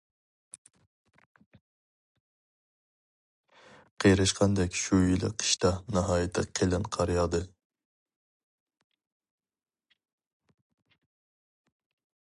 قېرىشقاندەك شۇ يىلى قىشتا ناھايىتى قېلىن قار ياغدى.